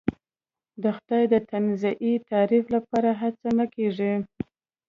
د خدای د تنزیهی تعریف لپاره هڅه نه کېږي.